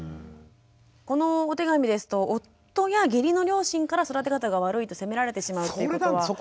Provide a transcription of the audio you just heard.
このお手紙ですと夫や義理の両親から育て方が悪いと責められてしまうということは。